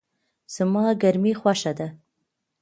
زما ګرمی خوښه ده